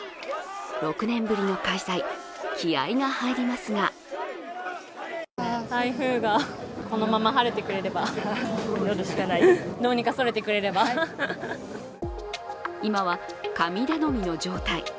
６年ぶりの開催、気合いが入りますが今は神頼みの状態。